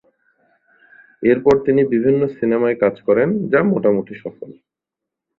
এরপর তিনি বিভিন্ন সিনেমায় কাজ করেন, যা মোটামুটি সফল।